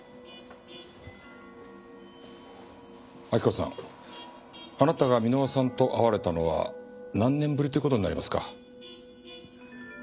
亜希子さんあなたが箕輪さんと会われたのは何年ぶりという事になりますか？